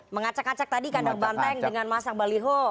mengacak acak tadi kandang banteng dengan masang baliho